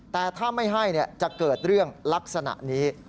แต่ถ้าไม่ให้จะเกิดเรื่องลักษณะนี้